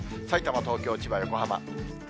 さいたま、東京、千葉、横浜。